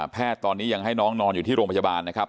ตอนนี้ยังให้น้องนอนอยู่ที่โรงพยาบาลนะครับ